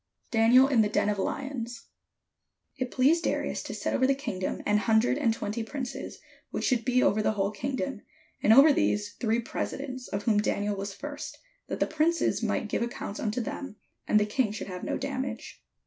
DANIEL IN THE DEN OF LIONS It pleased Darius to set over the kingdom an hun dred and twenty princes, which should be over the whole kingdom; and over these three presidents; of whom Daniel was first: that the princes might give ac counts unto them, and the king should have no damage.